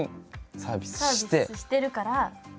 サービスしてるから。